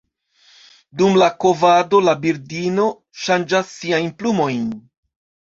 Dum la kovado la birdino ŝanĝas siajn plumojn.